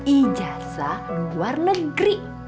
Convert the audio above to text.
ijasa luar negeri